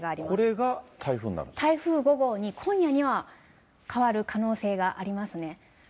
台風５号に、今夜には変わる可能性がありますね。